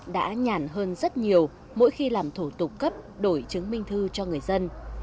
đã nhản hơn rất nhiều mỗi khi làm thủ tục cấp đổi chứng minh thư cho người dân